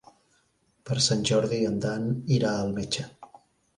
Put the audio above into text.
Per Sant Jordi en Dan irà al metge.